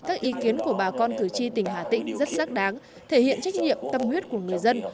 các ý kiến của bà con cử tri tỉnh hà tĩnh rất xác đáng thể hiện trách nhiệm tâm huyết của người dân